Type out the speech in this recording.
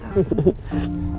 oke deh aku juga